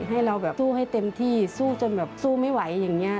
ให้เราแบบสู้ให้เต็มที่สู้จนแบบสู้ไม่ไหวอย่างนี้